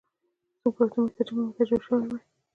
زموږ پښتو مترجم به متوجه شوی وای.